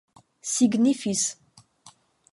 signifis